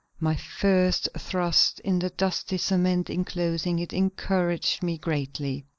My first thrust at the dusty cement inclosing it encouraged me greatly.